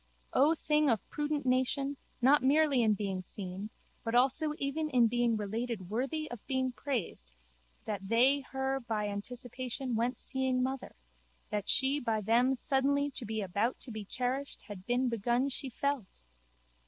O thing of prudent nation not merely in being seen but also even in being related worthy of being praised that they her by anticipation went seeing mother, that she by them suddenly to be about to be cherished had been begun she felt!